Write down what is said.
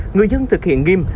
người dân thực hiện nghiêm